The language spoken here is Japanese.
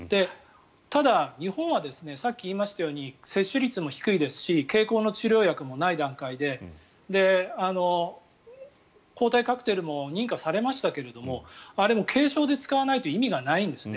ただ、日本はさっき言いましたように接種率も低いですし経口の治療薬もない状態で抗体カクテルも認可されましたけどあれも軽症で使わないと意味がないですね。